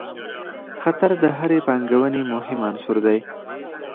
خطر د هرې پانګونې مهم عنصر دی.